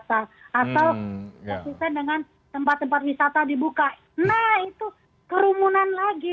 atau dengan tempat tempat wisata dibuka nah itu kerumunan lagi